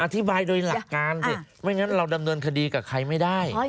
อธิบายโดยหลักการสิไม่งั้นเราดำเนินคดีกับใครไม่ได้